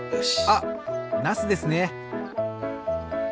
あっなすですね。